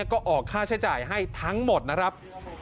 ก็ออกค่าใช้จ่ายให้ทั้งหมดนะครับ